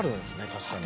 確かに。